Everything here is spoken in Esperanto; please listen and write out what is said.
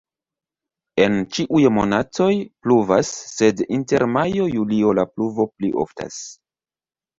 En ĉiuj monatoj pluvas, sed inter majo-julio la pluvo pli oftas.